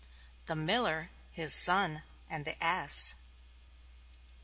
The Miller, His Son And The Ass.